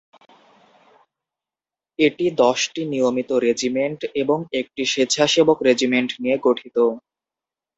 এটি দশটি নিয়মিত রেজিমেন্ট এবং একটি স্বেচ্ছাসেবক রেজিমেন্ট নিয়ে গঠিত।